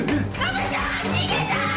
逃げたー！